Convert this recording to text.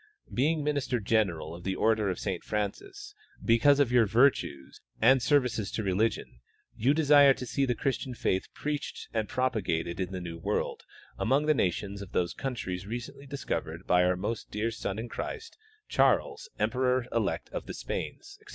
Being minister gen eral of the order of Saint Francis because of vour virtues and The Apostolic Benediction. 233 services to religion, yon desire to see the Christian faith preached and projDagated in the new world among the nations of those countries recently discovered by our most dear son in Christ, Charles, emperor elect of the Spains, etc.